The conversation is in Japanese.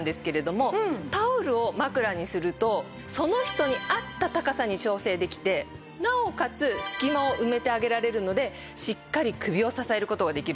タオルを枕にするとその人に合った高さに調整できてなおかつ隙間を埋めてあげられるのでしっかり首を支える事ができるんです。